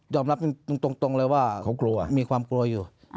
รับตรงเลยว่าเขากลัวมีความกลัวอยู่